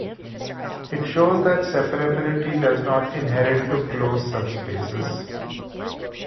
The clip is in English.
It shows that separability does not inherit to closed subspaces.